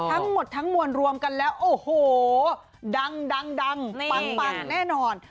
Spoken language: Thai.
ทั้งหมดทั้งมวลรวมกันแล้วโอ้โหดังปังแน่นอน